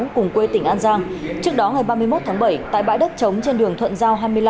cùng quê tỉnh an giang trước đó ngày ba mươi một tháng bảy tại bãi đất trống trên đường thuận giao hai mươi năm